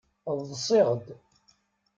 Ḍṣiɣd.